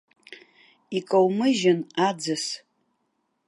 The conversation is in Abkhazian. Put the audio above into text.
Икоумыжьын аӡыс!